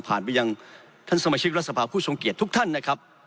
ไปยังท่านสมาชิกรัฐสภาพผู้ทรงเกียจทุกท่านนะครับ